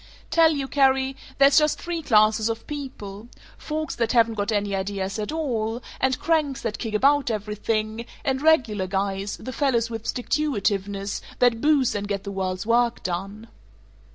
"Tell you, Carrie: There's just three classes of people: folks that haven't got any ideas at all; and cranks that kick about everything; and Regular Guys, the fellows with sticktuitiveness, that boost and get the world's work done."